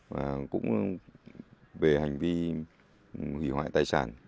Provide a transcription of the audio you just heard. và cũng về hành vi hủy hoại tài sản